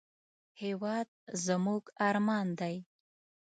هېواد زموږ ارمان دی